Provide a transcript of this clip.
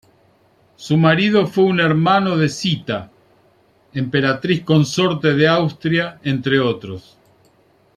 Su marido fue un hermano de Zita, emperatriz consorte de Austria, entre otros.